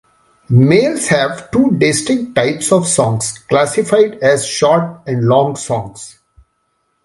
Males have two distinct types of songs - classified as short and long songs.